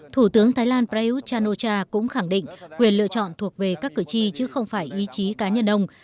thủ tướng thái lan prayuth chanucha cũng khẳng định quyền lựa chọn thuộc về các cử tri chứ không phải ý chí cá nhân ông